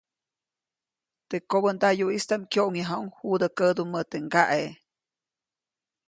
Teʼ kobändayuʼistaʼm kyoʼŋyajuʼuŋ judä kädumä teʼ ŋgaʼe.